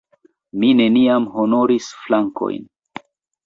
Mi neniam honoris flankojn.